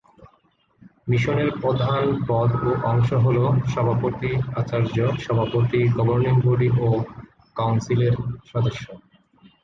মিশনের প্রধান পদ ও অংশ হল সভাপতি -আচার্য, সভাপতি, গভর্নিং বডি ও কাউন্সিলের সদস্য।